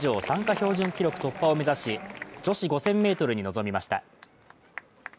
標準記録突破を目指し女子５０００ｍに臨みました。